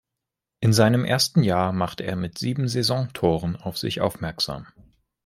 In seinem ersten Jahr machte er mit sieben Saisontoren auf sich aufmerksam.